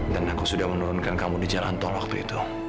dan aku sudah menurunkan kamu di jalan tol waktu itu